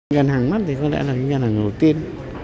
ngân hàng mắt thì có lẽ là cái ngân hàng đầu tiên